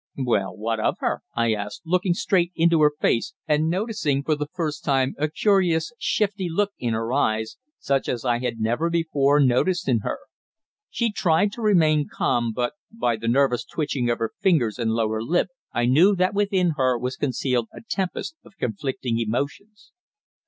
"Well, what of her?" I asked, looking straight into her face and noticing for the first time a curious shifty look in her eyes, such as I had never before noticed in her. She tried to remain calm, but, by the nervous twitching of her fingers and lower lip, I knew that within her was concealed a tempest of conflicting emotions.